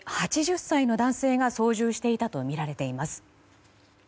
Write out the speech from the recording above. ８０歳の男性が操縦していたとみられています。